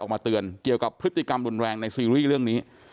ออกมาเตือนเกี่ยวกับพฤติกรรมรุนแรงในซีรีส์เรื่องนี้